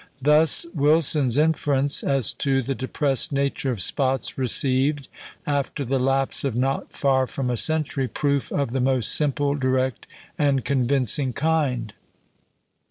Thus Wilson's inference as to the depressed nature of spots received, after the lapse of not far from a century, proof of the most simple, direct, and convincing kind.